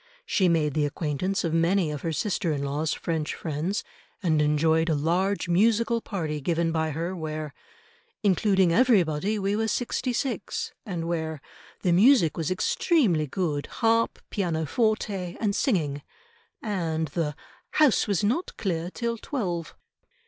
She made the acquaintance of many of her sister in law's French friends, and enjoyed a large musical party given by her, where, "including everybody we were sixty six," and where "the music was extremely good harp, pianoforte, and singing," and the "house was not clear till twelve."